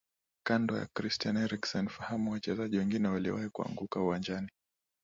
Kando na Christian Eriksen fahamu wachezaji wengine waliowahi kuanguka uwanjani